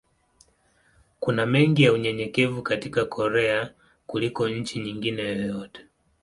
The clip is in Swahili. Kuna mengi ya unyenyekevu katika Korea kuliko nchi nyingine yoyote.